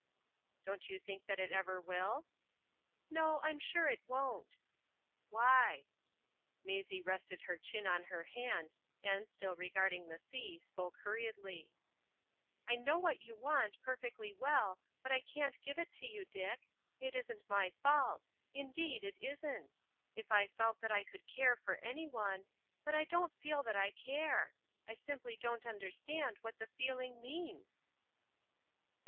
"Don't you think that it ever will?" "No, I'm sure it won't." "Why?" Maisie rested her chin on her hand, and, still regarding the sea, spoke hurriedly—"I know what you want perfectly well, but I can't give it to you, Dick. It isn't my fault; indeed, it isn't. If I felt that I could care for any one——But I don't feel that I care. I simply don't understand what the feeling means."